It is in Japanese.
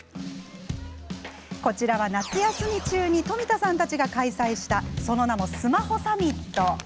こちらは、夏休み中に冨田さんたちが開催したその名もスマホサミット。